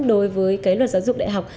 đối với cái luật giáo dục đại học